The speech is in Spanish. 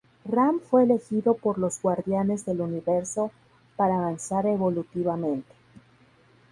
Ram fue elegido por los Guardianes del Universo para avanzar evolutivamente.